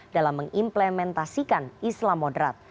dalam mengimplementasikan islam moderat